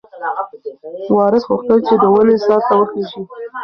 وارث غوښتل چې د ونې سر ته وخیژي.